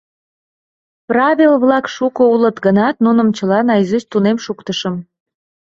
Правил-влак шуко улыт гынат, нуным чыла наизусть тунем шуктышым.